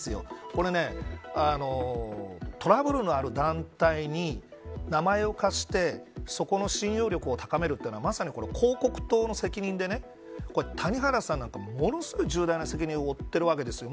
これトラブルのある団体に名前を貸してそこの信用力を高めるというのはまさに広告塔の責任でね谷原さんなんかものすごい重大な責任を負っているわけですよ。